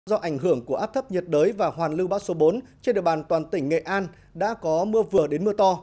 do ảnh hưởng của áp thấp nhiệt đới và hoàn lưu bão số bốn trên địa bàn toàn tỉnh nghệ an đã có mưa vừa đến mưa to